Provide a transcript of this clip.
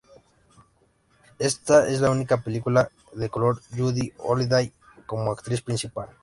Ésta es la única película en color de Judy Holliday como actriz principal.